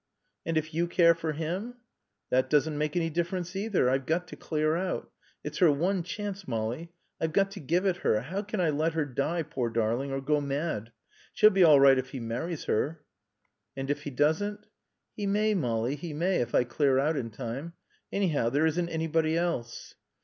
"And if you care for him?" "That doesn't make any difference either. I've got to clear out. It's her one chance, Molly. I've got to give it her. How can I let her die, poor darling, or go mad? She'll be all right if he marries her." "And if he doesn't?" "He may, Molly, he may, if I clear out in time. Anyhow, there isn't anybody else."